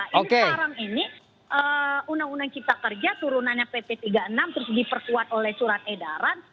ini sekarang ini undang undang cipta kerja turunannya pp tiga puluh enam terus diperkuat oleh surat edaran